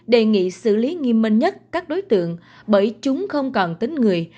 đề nghị xử lý nghiêm minh nhất các đối tượng bởi chúng không còn tính người